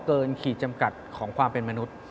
ขีดจำกัดของความเป็นมนุษย์